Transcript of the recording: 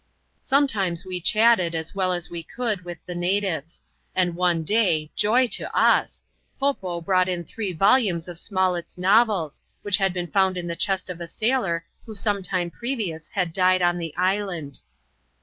Sometimes we chatted, as well as we could, with the natives ; and, one day — joy to us !— Po Po brought in three volumes of Smollett's novels, which had been found in the chest of a sailor, who some time previous had died on the island.